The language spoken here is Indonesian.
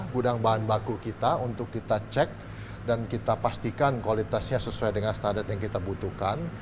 gudang bahan baku kita untuk kita cek dan kita pastikan kualitasnya sesuai dengan standar yang kita butuhkan